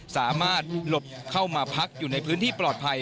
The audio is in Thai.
หลบเข้ามาพักอยู่ในพื้นที่ปลอดภัย